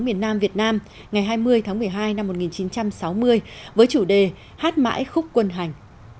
miền nam việt nam ngày hai mươi tháng một mươi hai năm một nghìn chín trăm sáu mươi với chủ đề hát mãi khúc quân hành